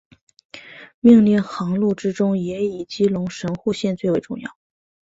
命令航路之中也以基隆神户线最为重要。